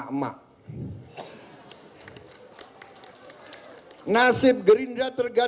dengan clicking aussi